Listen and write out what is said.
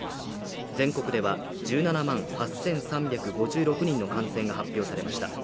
全国では、１７万８３５６人の感染が発表されました。